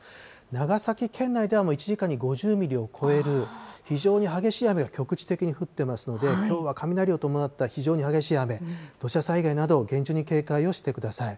長崎県内ではもう１時間に５０ミリを超える非常に激しい雨が局地的に降ってますので、きょうは雷を伴った非常に激しい雨、土砂災害など、厳重に警戒をしてください。